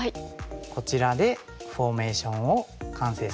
こちらでフォーメーションを完成させると。